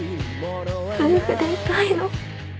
夫婦でいたいの。